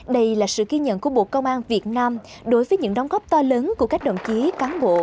đây là sự ghi nhận của bộ công an việt nam đối với những đóng góp to lớn của các đồng chí cán bộ